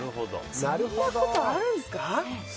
そんなことあるんですか。